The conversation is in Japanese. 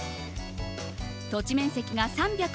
土地面積が３０５．３２